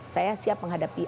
saya siap menghadapi